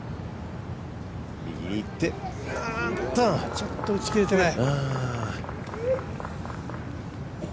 ちょっと打ち切れてない。